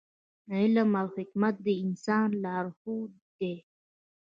علم او حکمت د انسان لارښود دی.